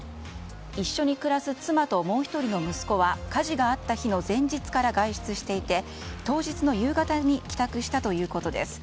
一緒に暮らす妻ともう１人の息子は火事があった日の前日から外出していて当日の夕方に帰宅したということです。